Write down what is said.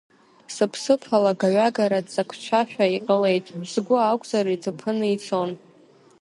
Сыԥсыԥ алагаҩагара ццакцәашәа иҟалеит, сгәы акәзар иҭыԥаны ицон.